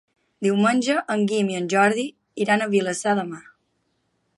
Diumenge en Guim i en Jordi iran a Vilassar de Mar.